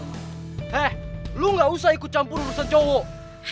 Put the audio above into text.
hah lo gak usah ikut campur urusan cowok